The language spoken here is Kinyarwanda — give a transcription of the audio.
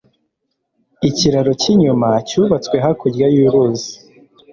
Ikiraro cy'icyuma cyubatswe hakurya y'uruzi.